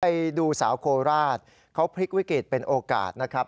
ไปดูสาวโคราชเขาพลิกวิกฤตเป็นโอกาสนะครับ